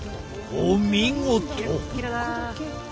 お見事。